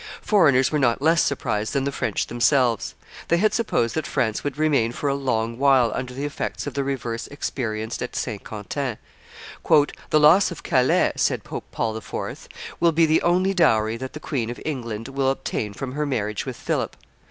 Foreigners were not less surprised than the French themselves; they had supposed that France would remain for a long while under the effects of the reverse experienced at Saint Quentin. "The loss of Calais," said Pope Paul IV., "will be the only dowry that the Queen of England will obtain from her marriage with Philip.